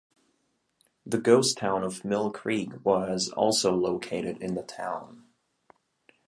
The ghost town of Mill Creek was also located in the town.